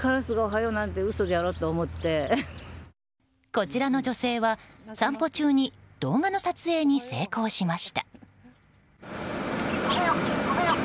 こちらの女性は散歩中に動画の撮影に成功しました。